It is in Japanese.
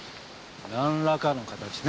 なんらかの形ね。